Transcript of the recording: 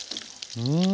うん。